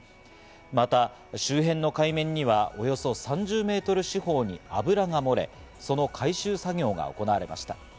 また周辺の海面にはおよそ３０メートル四方に油が漏れ、その回収作業が行われました。